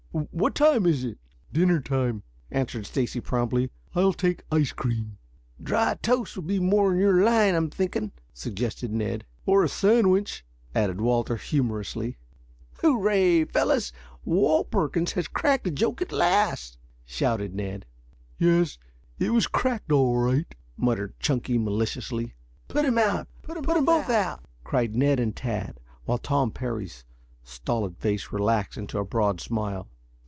What time is it?" "Dinner time," answered Stacy promptly. "I'll take ice cream." "Dry toast will be more in your line, I'm thinking," suggested Ned. "Or a sandwich," added Walter humorously. "Hurrah, fellows! Walt Perkins has cracked a joke at last!" shouted Ned. "Yes, it was cracked all right," muttered Chunky maliciously. "Put him out! Put 'em both out!" cried Ned and Tad, while Tom Parry's stolid face relaxed into a broad smile.